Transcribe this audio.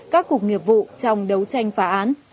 các cuộc nghiệp vụ trong đấu tranh phá án